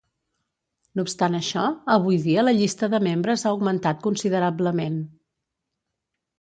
No obstant això, avui dia la llista de membres ha augmentat considerablement.